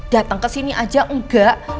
datang ke sini aja enggak